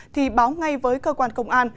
thì báo ngay với cơ quan công an